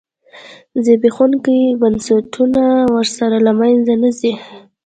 زبېښونکي بنسټونه ورسره له منځه نه ځي.